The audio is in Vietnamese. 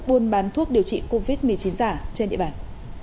buôn bán thuốc điều trị covid một mươi chín giả trên địa bàn